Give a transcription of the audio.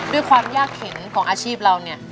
ด้วยความยากเห็นของอาชีพเราเนี่ย